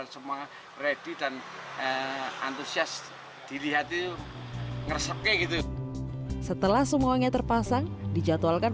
semua ready dan antusias dilihat itu ngeresek gitu setelah semuanya terpasang dijadwalkan